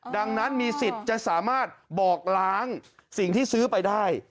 ดังนั้นมีสิทธิ์จะสามารถบอกล้างสิ่งที่ซื้อไปได้